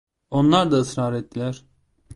Onlar da ısrar ettiler.